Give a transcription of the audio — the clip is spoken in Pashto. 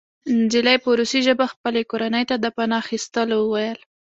نجلۍ په روسي ژبه خپلې کورنۍ ته د پناه اخیستلو وویل